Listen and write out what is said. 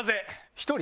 １人？